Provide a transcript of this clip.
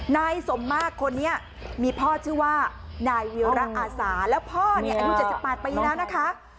นายสมมากคนนี้มีพ่อชื่อว่านายเวียวระอาสาแล้วพ่อเนี่ยอายุ๗๘ปีแล้วนะคะ